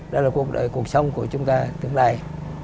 đó là cuộc đời cuộc sống của chúng ta tương lai